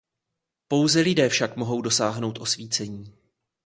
Pouze lidé však mohou dosáhnout osvícení.